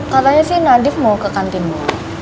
katanya sih nadif mau ke kantimu